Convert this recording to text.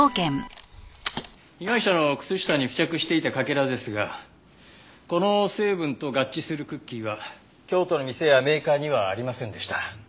被害者の靴下に付着していたかけらですがこの成分と合致するクッキーは京都の店やメーカーにはありませんでした。